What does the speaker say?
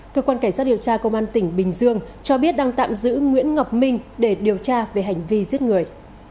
cơ quan cảnh sát điều tra công an tỉnh bình dương cho biết đang tạm giữ nguyễn ngọc minh để điều tra về hành vi giết người